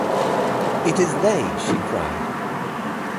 "It is they," she cried.